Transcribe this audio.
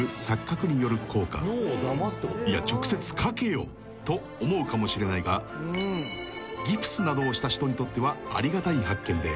［いや直接かけよ！と思うかもしれないがギプスなどをした人にとってはありがたい発見で］